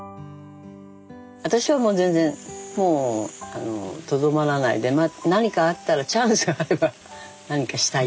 私はもう全然もうとどまらないで何かあったらチャンスがあれば何かしたい。